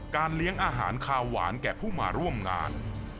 เลี้ยงอาหารคาวหวานแก่ผู้มาร่วมงาน